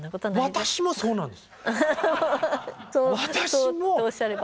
私もそうなんです。